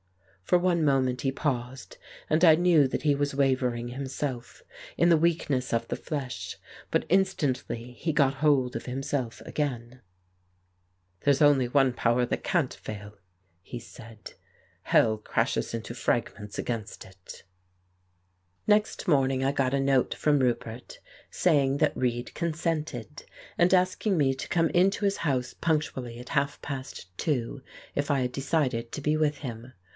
For one moment he paused, and I knew that he was wavering himself, in the weakness of the flesh ; but instantly he got hold of himself again. 165 The Case of Frank Hampden "There's only one power that can't fail," he said. "Hell crashes into fragments against it." Next morning I got a note from Roupert, saying that Reid consented, and asking me to come in to his house punctually at half past two, if I had decided to be with him.